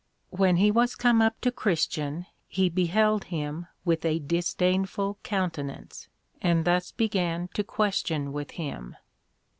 When he was come up to Christian, he beheld him with a disdainful countenance, and thus began to question with him.